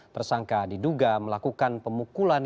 tersangka diduga melakukan pemukulan